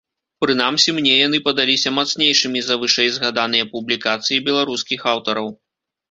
Прынамсі, мне яны падаліся мацнейшымі за вышэй згаданыя публікацыі беларускіх аўтараў.